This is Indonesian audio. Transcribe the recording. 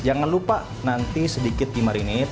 jangan lupa nanti sedikit di marinir